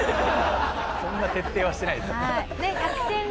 そんな徹底はしてないでしょ。